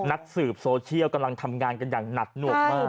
นักสืบโซเชียลกำลังทำงานกันอย่างหนักหนวกมาก